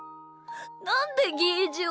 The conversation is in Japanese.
なんでゲージは。